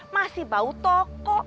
masih bau toko